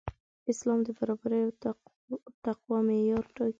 اسلام د برابرۍ او تقوی معیار ټاکي.